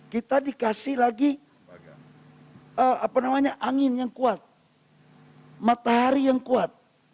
kita dikasih lagi angin yang kuat matahari yang kuat